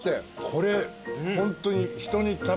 これホントに。